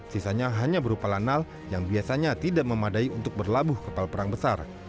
sisanya hanya berupa lanal yang biasanya tidak memadai untuk berlabuh kapal perang besar